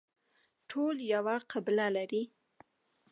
ټول یوه قبله لري